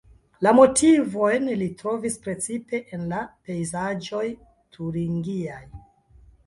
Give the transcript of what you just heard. La motivojn li trovis precipe en la pejzaĝoj turingiaj.